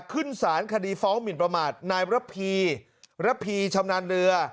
ขึ้นสารคดีฟ้องหมินประมาทนายระพีระพีชำนาญเรือ